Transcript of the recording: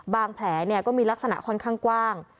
บางแผลเนี่ยก็มีลักษณะค่อนข้างกว้าง